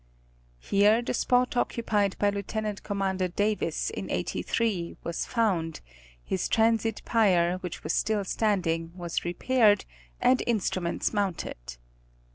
Here the spot occupied by Lieut. Com. Davis in '83 was found, his transit pier, which was still standing was repaired, and instruments mounted.